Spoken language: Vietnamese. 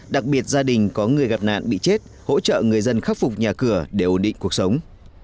đặc biệt gia đình có người gặp nạn bị chết hỗ trợ người dân khắc phục nhà cửa để ổn định cuộc sống